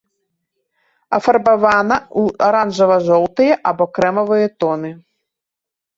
Афарбавана ў аранжава-жоўтыя або крэмавыя тоны.